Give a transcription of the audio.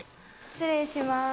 失礼します。